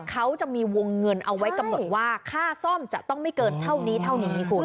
เขาจะมีวงเงินเอาไว้กำหนดว่าค่าซ่อมจะต้องไม่เกินเท่านี้เท่านี้คุณ